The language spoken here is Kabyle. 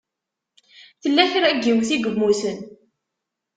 Tella kra n yiwet i yemmuten?